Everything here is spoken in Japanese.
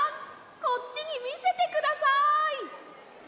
こっちにみせてください！